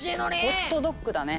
ホットドッグだね。